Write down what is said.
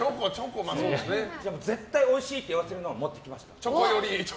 絶対おいしいって言わせるのを持ってきました。